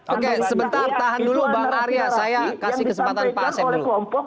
oke sebentar tahan dulu bang arya saya kasih kesempatan pak asep dulu